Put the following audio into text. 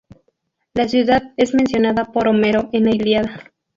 La ciudad es mencionada por Homero en la "Ilíada".